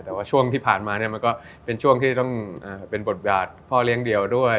แต่ว่าช่วงที่ผ่านมาเนี่ยมันก็เป็นช่วงที่ต้องเป็นบทบาทพ่อเลี้ยงเดี่ยวด้วย